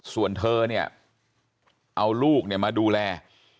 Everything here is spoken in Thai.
ส่วนเธอเนี่ยเอาลูกเนี่ยมาดูแล